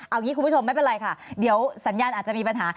เอางี้คุณผู้ชมไม่เป็นไรค่ะเดี๋ยวสัญญาณอาจจะมีปัญหา